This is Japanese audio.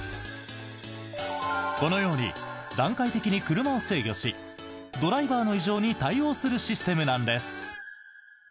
このように段階的に車を制御しドライバーの異常に対応するシステムなんです！